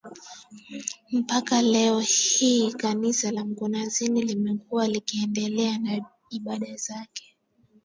Mpaka leo hii kanisa la Mkunazini limekuwa likiendelea na ibada zake